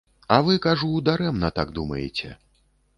А вы, кажу, дарэмна так думаеце.